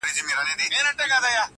چي عطار هر څه شکري ورکولې-